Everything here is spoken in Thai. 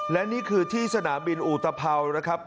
และนี่คือที่สนามบินอุตภัวนะครับ